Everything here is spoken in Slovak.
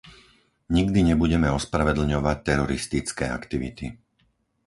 Nikdy nebudeme ospravedlňovať teroristické aktivity.